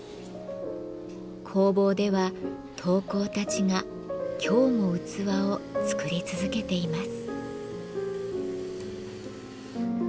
工房では陶工たちが今日も器を作り続けています。